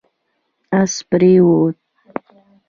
اس پرېووت